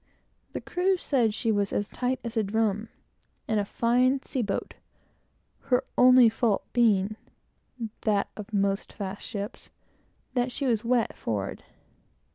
The crew said she was as tight as a drum, and a fine sea boat, her only fault being, that of most fast ships, that she was wet, forward.